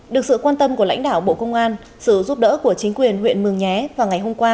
được sự quan tâm của lãnh đạo bộ công an sự giúp đỡ của chính quyền huyện mường nhé vào ngày hôm qua